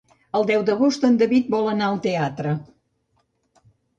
El deu d'agost en David vol anar al teatre.